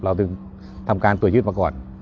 เราถึงทำการตรวจยึดมาก่อน